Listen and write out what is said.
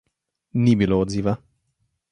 Ni bilo odziva.